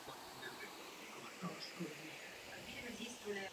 Bodový zisk jí zajistil návrat do první desítky světové klasifikace.